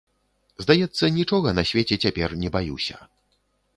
Здаецца, нічога на свеце цяпер не баюся.